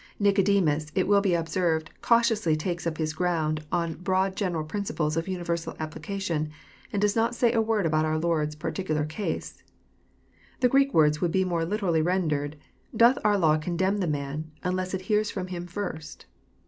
Nicodemus, it will be observed, cautiously takes up his ground on broad general principles of universal application, and does not say a word about our Lord's particular case. The Greek words would be more literally rendered, " Doth our law condemn the man unless it hears from him first."